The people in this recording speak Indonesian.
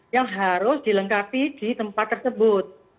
yang harus dilengkapi di tempat tersebut